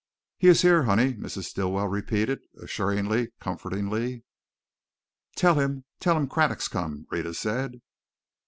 "He is here, honey," Mrs. Stilwell repeated, assuringly, comfortingly. "Tell him tell him Craddock's come!" Rhetta said.